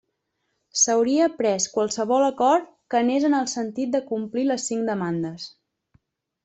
S'hauria pres qualsevol acord que anés en el sentit de complir les cinc demandes.